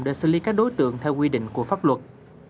để xử lý các đối tượng theo quy định của pháp luật